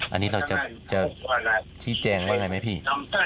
อันนี้เราจะชี้แจงว่ายังไงไหมพี่